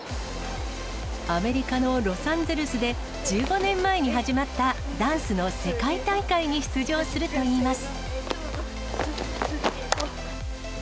アメリカのロサンゼルスで、１５年前に始まったダンスの世界大会に出場するといいます。